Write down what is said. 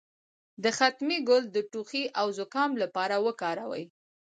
د ختمي ګل د ټوخي او زکام لپاره وکاروئ